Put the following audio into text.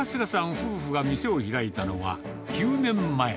夫婦が店を開いたのは９年前。